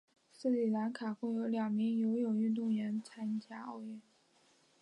斯里兰卡共有两名游泳运动员参加奥运。